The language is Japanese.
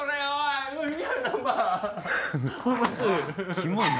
キモいな。